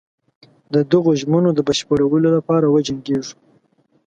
د دغو ژمنو د بشپړولو لپاره وجنګیږو.